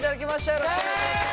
よろしくお願いします！